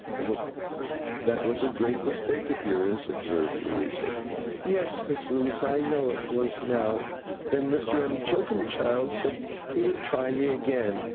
'That was a great mistake of yours,' observed Louisa. 'Yes, Miss Louisa, I know it was, now. Then Mr. M'Choakumchild said he would try me again.